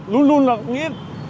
luôn luôn là nghĩ